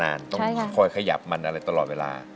ต้องคอยขยับมันอะไรตลอดเวลา